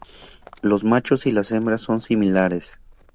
Los machos y las hembras son similares.